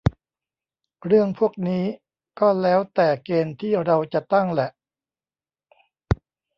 เรื่องพวกนี้ก็แล้วแต่เกณฑ์ที่เราจะตั้งแหละ